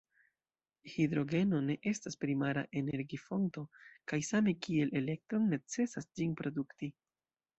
Hidrogeno ne estas primara energi-fonto, kaj same kiel elektron, necesas ĝin produkti.